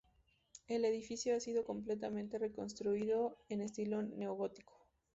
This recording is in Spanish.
El edificio ha sido completamente reconstruido en estilo neogótico.